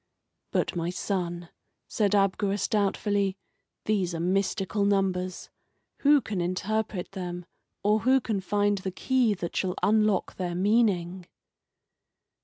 "But, my son," said Abgarus, doubtfully, "these are mystical numbers. Who can interpret them, or who can find the key that shall unlock their meaning?"